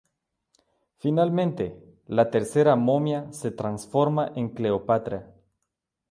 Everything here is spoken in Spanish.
Finalmente, la tercera momia se transforma en Cleopatra.